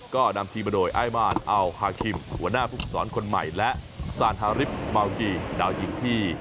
ก็นำทีมมาโดยไอมานอัลฮาคิมหัวหน้าภูมิสอนคนใหม่และซานฮาริฟเมายีดาวยิงที่